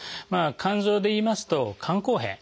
肝臓でいいますと肝硬変